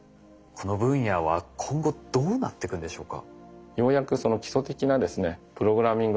この分野は今後どうなっていくんでしょうか？